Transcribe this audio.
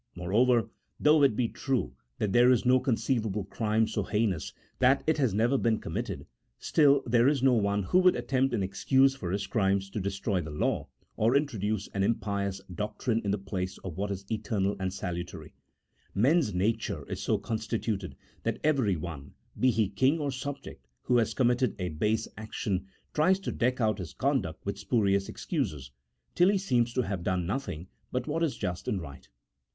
Moreover, though it be true that there is no conceivable crime so heinous that it has never been committed, still there is no one who would attempt in excuse for his crimes to destroy the law, or introduce an impious doctrine in the place of what is eternal and salutary ; men's nature is so constituted that everyone (be he king or subject) who has committed a base action, tries to deck out his conduct with spurious excuses, till he seems to have done nothing but what is just and right.